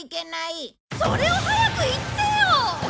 それを早く言ってよ！